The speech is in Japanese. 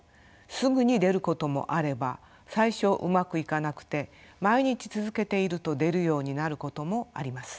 すぐに出ることもあれば最初うまくいかなくて毎日続けていると出るようになることもあります。